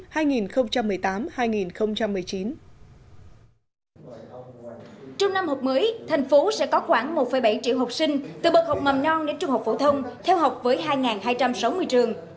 trong năm học mới thành phố sẽ có khoảng một bảy triệu học sinh từ bậc học mầm non đến trung học phổ thông theo học với hai hai trăm sáu mươi trường